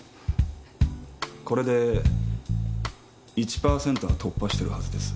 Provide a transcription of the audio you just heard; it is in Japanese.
これで１パーセントは突破してるはずです。